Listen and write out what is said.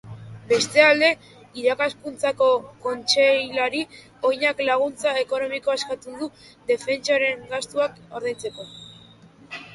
Bestalde, irakaskuntzako kontseilari ohiak laguntza ekonomikoa eskatu du defentsaren gastuak ordaintzeko.